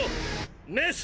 メス！